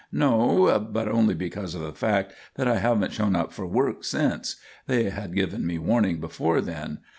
"No; but only because of the fact that I haven't shown up for work since. They had given me warning before then.